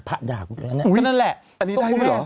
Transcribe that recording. อุ้ยอันนี้ได้ด้วยเหรอ